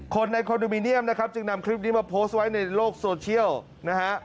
คนในคอนโดมิเนียมนะครับจึงนำคลิปนี้มาโพสต์ไว้ในโลกโซเชียลนะฮะ